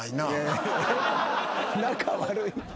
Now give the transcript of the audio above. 仲悪い？